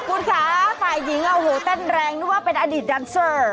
คุณคะฝ่ายหญิงโอ้โหเต้นแรงนึกว่าเป็นอดีตดันเซอร์